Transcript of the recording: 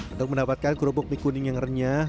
untuk mendapatkan kerupuk mie kuning yang renyah